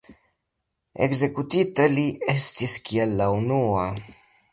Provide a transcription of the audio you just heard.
Ekzekutita li estis kiel la unua.